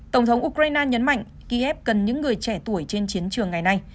tổng thống ukraine nhấn mạnh kiev cần những người trẻ tuổi trên chiến trường ngày nay